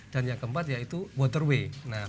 dan yang keempat yaitu waterway